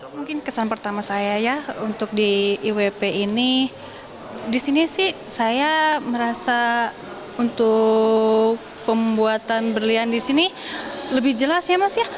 mungkin kesan pertama saya ya untuk di iwp ini di sini sih saya merasa untuk pembuatan berlian di sini lebih jelas ya mas ya